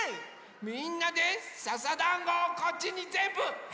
みんなでささだんごをこっちにぜんぶはこぶぞ！